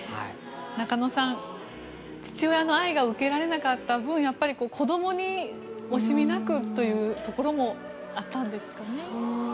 中野さん父親の愛が受けられなかった分子供に惜しみなくというところもあったんですかね。